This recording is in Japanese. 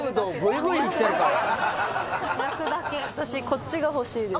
私こっちが欲しいです。